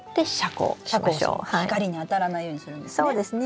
光に当たらないようにするんですね。